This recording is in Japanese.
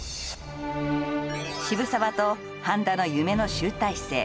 渋沢と繁田の夢の集大成。